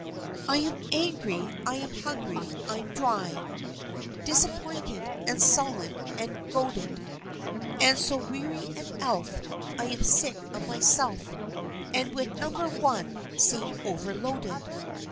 I am angry, I'm hungry, I'm dry, Disappointed, and sullen, and goaded, And so weary an elf, I am sick of myself, And with Number One seem overloaded.